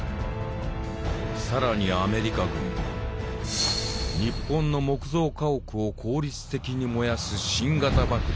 更にアメリカ軍は日本の木造家屋を効率的に燃やす新型爆弾